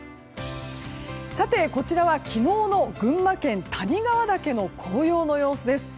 こちらは昨日の群馬県谷川岳の紅葉の様子です。